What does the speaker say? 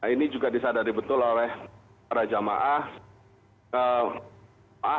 ini juga disadari betul oleh para jamaah